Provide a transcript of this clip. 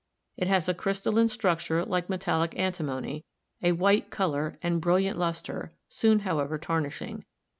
It has a crystalline structure like metallic antimony, a white color, and bril liant luster, soon, however, tarnishing.